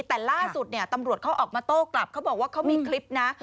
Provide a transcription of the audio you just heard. แต่ล่าสุดเนี่ยตำรวจเขาออกมาโต้กลับเขาบอกว่าเขามีคลิปนะ